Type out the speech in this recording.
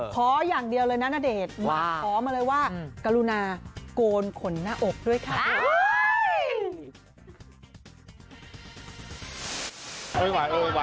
ขออย่างเดียวเลยนะณเดชน์ขอมาเลยว่ากรุณาโกนขนหน้าอกด้วยค่ะ